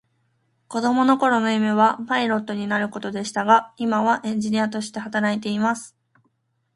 子供の頃の夢はパイロットになることでしたが、今はエンジニアとして働いています。